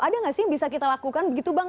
ada nggak sih yang bisa kita lakukan begitu bang